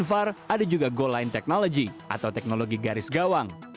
var ada juga goal line technology atau teknologi garis gawang